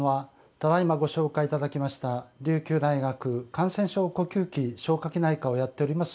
ただ今ご紹介いただきました琉球大学感染症呼吸器消化器内科をやっております